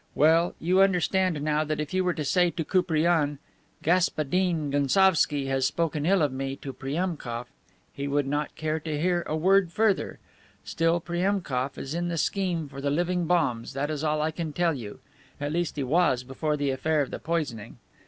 Well, you understand now that if you were to say to Koupriane, 'Gaspadine Gounsovski has spoken ill to me of Priemkof,' he would not care to hear a word further. Still, Priemkof is in the scheme for the living bombs, that is all I can tell you; at least, he was before the affair of the poisoning.